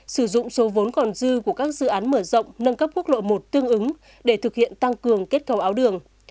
sử dụng số vốn còn dư của các dự án mở rộng nâng cấp quốc lộ một tương ứng để thực hiện tăng cường kết cầu áo đường